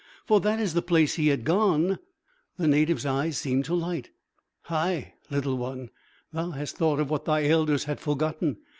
"For that is the place he had gone." The native's eyes seemed to light. "Hai, little one, thou hast thought of what thy elders had forgotten.